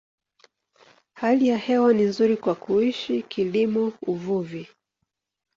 Hali ya hewa ni nzuri kwa kuishi, kilimo, uvuvi.